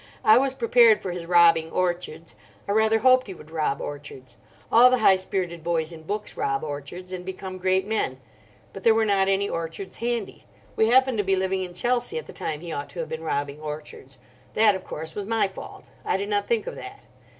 I was prepared for his robbing orchards. I rather hoped he would rob orchards. All the high spirited boys in books rob orchards, and become great men. But there were not any orchards handy. We happened to be living in Chelsea at the time he ought to have been robbing orchards: that, of course, was my fault. I did not think of that.